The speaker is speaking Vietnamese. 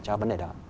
cho vấn đề đó